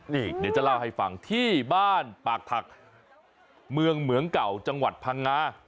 นี่เดี๋ยวจะเล่าให้ฟังที่บ้านปากถักเมืองเหมืองเก่าจังหวัดพังงา